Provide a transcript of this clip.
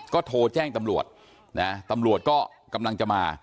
ก็โทรแจ้งตำรวจนะตำรวจก็กำลังจะมา